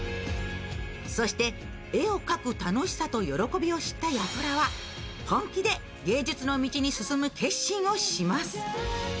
そして、絵を描く楽しさと喜びを知った八虎は本気で芸術の道に進む決心をします。